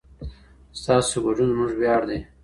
ستاسو ګډون زموږ ویاړ دی.